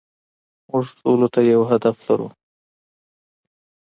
موږ ټولو ته يو هدف لرو.